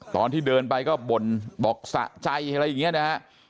ตอนที่เดินไปก็บ่นบอกสะใจอะไรอย่างนี้นะฮะ